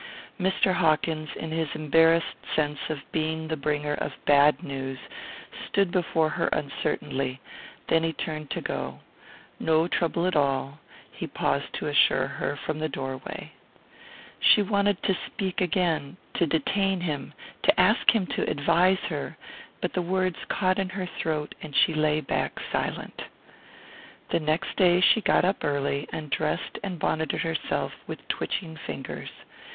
Mr. Hawkins, in his embarrassed sense of being the bringer of bad news, stood before her uncertainly; then he turned to go. "No trouble at all," he paused to assure her from the doorway. She wanted to speak again, to detain him, to ask him to advise her; but the words caught in her throat and she lay back silent. The next day she got up early, and dressed and bonneted herself with twitching fingers.